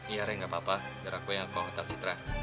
iya rek nggak apa apa darahku yang aku mau ke hotel citra